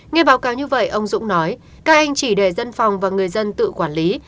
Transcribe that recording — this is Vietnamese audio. nghe báo cáo như vậy ông dũng nói các anh chỉ để dân phòng và người dân tự quản lý